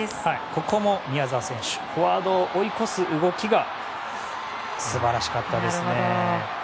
ここも宮澤選手フォワードを追い越す動きが素晴らしかったですね。